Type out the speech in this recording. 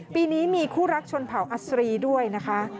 ปีนี้มีคู่รักชนเผาอัศรีด้วยนะคะ